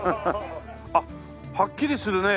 あっはっきりするねえ。